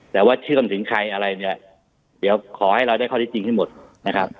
แต่ว่าเชื่อมถึงใครอะไรเนี่ยเดี๋ยวขอให้เราได้ข้อที่จริงให้หมดนะครับ